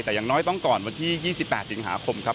แต่อย่างน้อยต้องก่อนวันที่๒๘สิงหาคมครับ